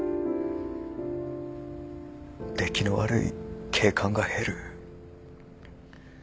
出来の悪い警官が減る。